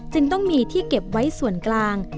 จึงต้องมีที่เก็บไว้ส่วนกลาง